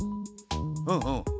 うんうん。